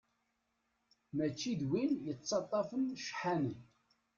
Mačči d win yettaṭṭafen ccḥani.